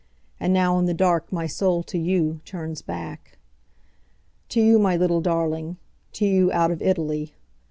And now in the dark my soul to youTurns back. To you, my little darling, To you, out of Italy.